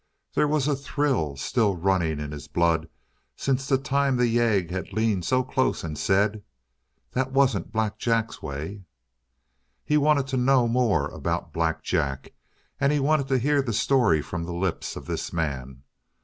There was a thrill still running in his blood since the time the yegg had leaned so close and said: "That wasn't Black Jack's way!" He wanted to know more about Black Jack, and he wanted to hear the story from the lips of this man.